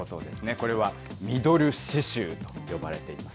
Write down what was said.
これはミドル脂臭と呼ばれています。